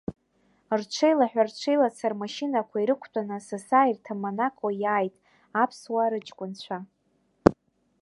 Рҽеилаҳәа-рҽеилаца, рмашьынақәа ирықәтәаны асасааирҭа Монако иааит аԥсуаа рыҷкәынцәа.